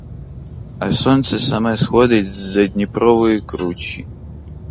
А сонце саме сходить з-за дніпрової кручі.